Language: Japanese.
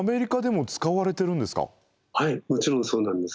もちろんそうなんです。